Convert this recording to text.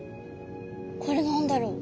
これ何だろう？